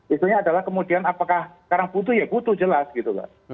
isunya adalah kemudian apakah sekarang butuh ya butuh jelas gitu